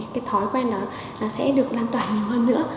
cái thói quen đó là sẽ được lan toàn nhiều hơn nữa